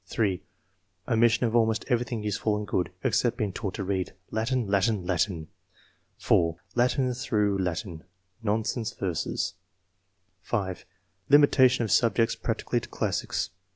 (3) " Omission of almost everything useful and good, except being taught to read. Latin ! Latin 1 Latin !" (4) "Latin through Latin — ^nonsense verses. >f IV.] EDUCATION. 347 (5) "Limitatipn of subjects practically to classics."